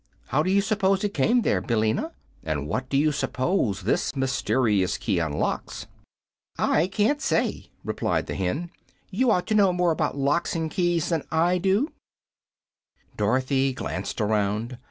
How do you suppose it came there, Billina? And what do you suppose this mysterious key unlocks?" "I can't say," replied the hen. "You ought to know more about locks and keys than I do." Dorothy glanced around.